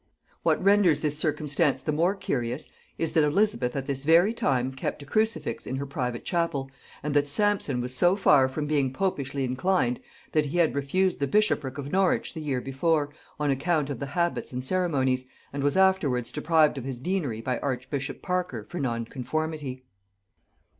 What renders this circumstance the more curious is, that Elizabeth at this very time kept a crucifix in her private chapel, and that Sampson was so far from being popishly inclined, that he had refused the bishopric of Norwich the year before, on account of the habits and ceremonies, and was afterwards deprived of his deanery by archbishop Parker for nonconformity.